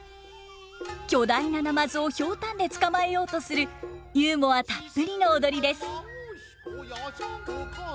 巨大なナマズを瓢箪で捕まえようとするユーモアたっぷりの踊りです。